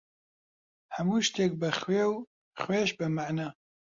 هەموو شتێک بە خوێ، و خوێش بە مەعنا.